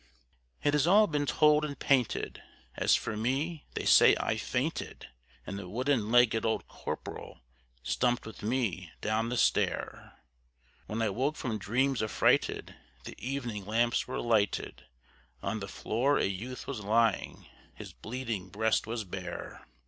It has all been told and painted; as for me, they say I fainted, And the wooden legged old Corporal stumped with me down the stair: When I woke from dreams affrighted the evening lamps were lighted, On the floor a youth was lying; his bleeding breast was bare.